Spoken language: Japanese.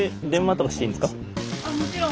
もちろん。